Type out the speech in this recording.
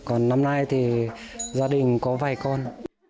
còn năm nay thì gia đình có vài con